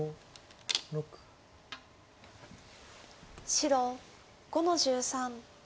白５の十三。